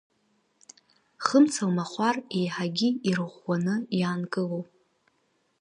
Хымца лмахәар еиҳагьы ирыӷәӷәаны иаанкыло.